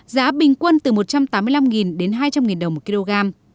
giá bình quân từ một trăm tám mươi năm đến hai trăm linh đồng một kg